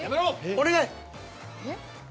お願い。